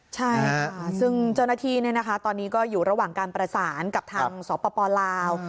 ใช่ค่ะซึ่งเจ้าหน้าที่ตอนนี้ก็อยู่ระหว่างการประสานกับทางสปลาว